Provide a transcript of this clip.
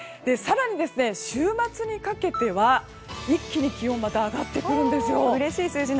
更に、週末にかけては一気に気温上がってくるんです。